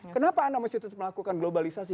kenapa anda masih tetap melakukan globalisasi